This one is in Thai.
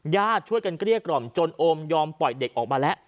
ญาติช่วยกันเกลี้ยกล่อมจนโอมยอมปล่อยเด็กออกมาแล้ว